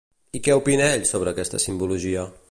I què opina ell sobre aquesta simbologia?